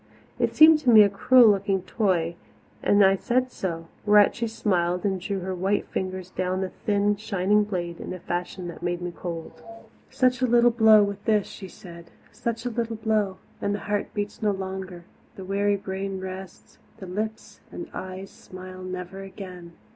It seemed to me a cruel looking toy and I said so whereat she smiled and drew her white fingers down the thin, shining blade in a fashion that made me cold. "Such a little blow with this," she said, "such a little blow and the heart beats no longer, the weary brain rests, the lips and eyes smile never again!